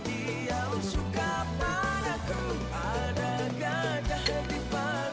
iya kang tunggu sebentar